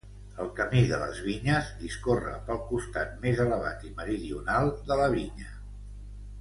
El Camí de les Vinyes discorre pel costat més elevat i meridional de la vinya.